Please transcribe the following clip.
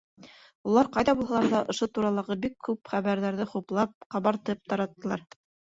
Улар ҡайҙа булһалар ҙа, ошо туралағы бик күп хәбәрҙәрҙе хуплап, ҡабартып тараттылар.